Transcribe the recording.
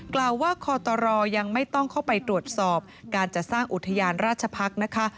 กล่าวว่าคอตรยังไม่ต้องเข้าไปตรวจสอบการจัดสร้างอุทยานราชพักษ์นะคะ